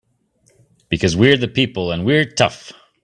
Because we're the people and we're tough!